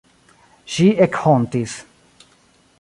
Ŝi ekhontis.